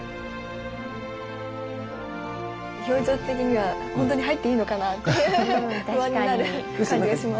表情的にはほんとに入っていいのかなって不安になる感じがします。